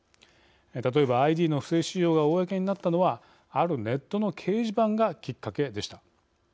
例えばＩＤの不正使用が公になったのはあるネットの掲示板がきっかけでした。